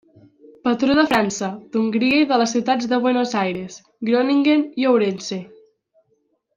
Patró de França, d'Hongria i de les ciutats de Buenos Aires, Groningen i Ourense.